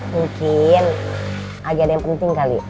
mungkin agak ada yang penting kali